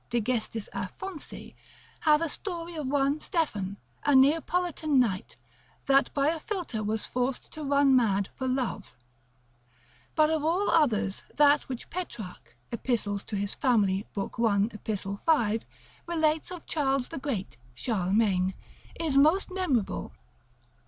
de gest. Aphonsi, hath a story of one Stephan, a Neapolitan knight, that by a philter was forced to run mad for love. But of all others, that which Petrarch, epist. famil. lib. 1. ep. 5, relates of Charles the Great (Charlemagne) is most memorable.